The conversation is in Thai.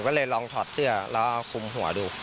ก็เลยลองถอดเสื้อแล้วก็คุมหัวดู